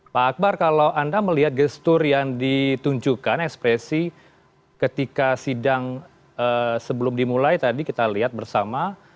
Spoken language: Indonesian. pak akbar kalau anda melihat gestur yang ditunjukkan ekspresi ketika sidang sebelum dimulai tadi kita lihat bersama